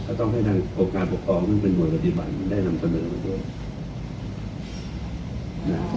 ต้องให้ทางองค์การปกครองซึ่งเป็นหน่วยปฏิบัติได้นำเสนอไปด้วย